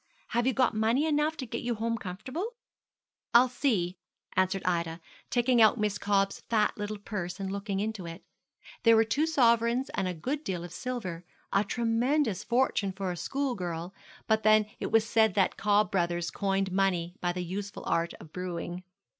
Have you got money enough to get you home comfortable?' 'I'll see,' answered Ida, taking out Miss Cobb's fat little purse and looking into it. There were two sovereigns and a good deal of silver a tremendous fortune for a schoolgirl; but then it was said that Cobb Brothers coined money by the useful art of brewing.